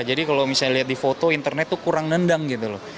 jadi kalau misalnya di foto internet itu kurang nendang gitu loh